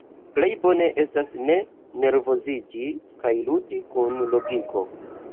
Plej bone estas ne nervoziĝi kaj ludi kun logiko.